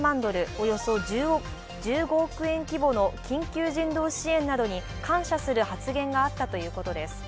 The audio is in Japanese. およそ１５億円規模の緊急人道支援などに感謝する発言があったということです。